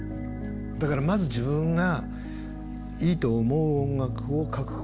だからまず自分がいいと思う音楽を書くこと。